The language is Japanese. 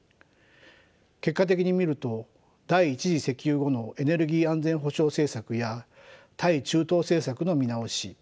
結果的に見ると第１次石油後のエネルギー安全保障政策や対中東政策の見直し